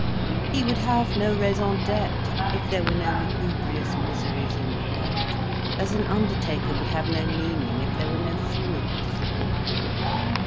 He would have no raison d'être if there were no lugubrious miseries in the world, as an undertaker would have no meaning if there were no funerals.